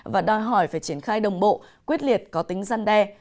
và đòi hỏi phải triển khai đồng bộ quyết liệt có tính gian đe